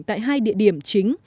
tại hai địa điểm chính